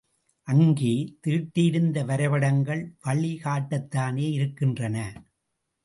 அங்கே தீட்டியிருந்த வரைபடங்கள் வழி காட்டத்தானே இருக்கின்றன.